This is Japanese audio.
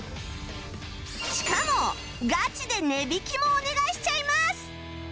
しかもガチで値引きもお願いしちゃいます！